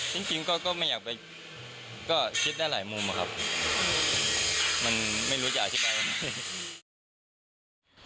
จริงก็ไม่อยากไปก็คิดได้หลายมุมอะครับมันไม่รู้จะอธิบายยังไง